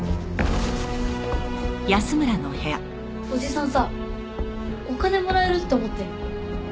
おじさんさお金もらえるって思ってる？